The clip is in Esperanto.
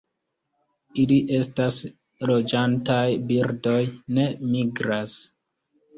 Ili estas loĝantaj birdoj, ne migras.